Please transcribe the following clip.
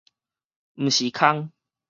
毋是空